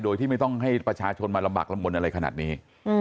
โดยที่ไม่ต้องให้ประชาชนมาลำบากลำมนอะไรขนาดนี้